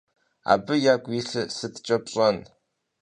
Абы ягу илъыр сыткӀэ пщӀэн?